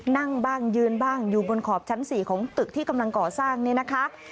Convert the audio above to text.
นั่งบ้างยืนบ้างอยู่บนขอบชั้น๔ของตึกที่กำลังก่อสร้างนี่นะคะ